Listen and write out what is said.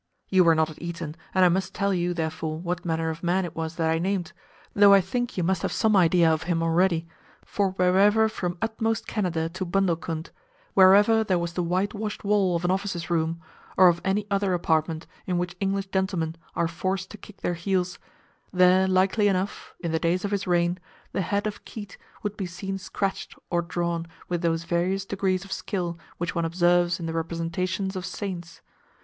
You were not at Eton, and I must tell you, therefore, what manner of man it was that I named, though I think you must have some idea of him already, for wherever from utmost Canada to Bundelcund—wherever there was the whitewashed wall of an officer's room, or of any other apartment in which English gentlemen are forced to kick their heels, there likely enough (in the days of his reign) the head of Keate would be seen scratched or drawn with those various degrees of skill which one observes in the representations of saints.